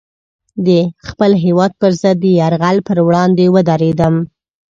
د خپل هېواد پر ضد د یرغل پر وړاندې ودرېدم.